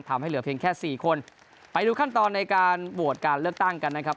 ทำให้เหลือเพียงแค่สี่คนไปดูขั้นตอนในการโหวตการเลือกตั้งกันนะครับ